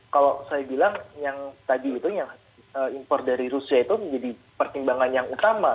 kalau saya bilang yang tadi itu yang impor dari rusia itu menjadi pertimbangan yang utama